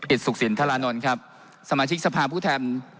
สุขสินธรานนท์ครับสมาชิกสภาพผู้แทน